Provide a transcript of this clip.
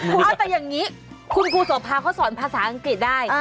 อ่ะแต่อย่างนี้คุณครูสวรรพาเขาสอนภาษาอังกฤษได้